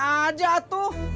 kan saya aja yang lepasin